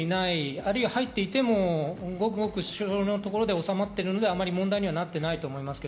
あるいは入っていてもごくごく少量のところを狙っているので、あまり問題になっていない。